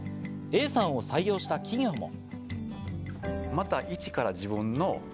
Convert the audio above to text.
Ａさんを採用した企業も。